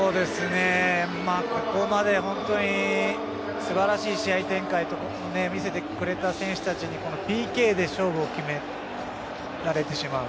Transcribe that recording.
ここまで本当に素晴らしい試合展開を見せてくれた選手たちにＰＫで勝負を決められてしまう。